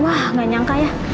wah enggak nyangka ya